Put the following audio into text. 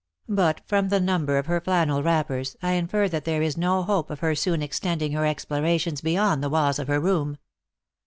But from the number of her flannel wrappers, I infer that there is no hope of her soon extending her explorations beyond the walls of her room."